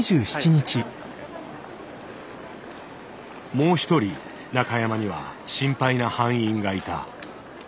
もう一人中山には心配な班員がいた。